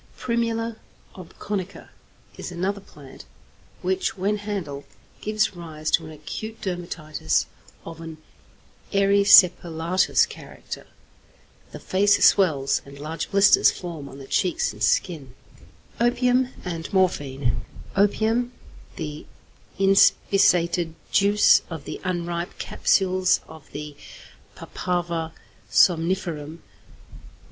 =Primula obconica= is another plant which, when handled, gives rise to an acute dermatitis of an erysipelatous character. The face swells, and large blisters form on the cheeks and chin. XXIX. OPIUM AND MORPHINE =Opium.= The inspissated juice of the unripe capsules of the Papaver somniferum.